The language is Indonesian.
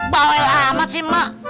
bawel amat sih mak